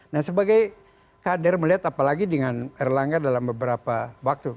nah sebagai kader melihat apalagi dengan erlangga dalam beberapa waktu